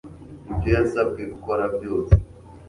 ibyo yasabwe gukora byose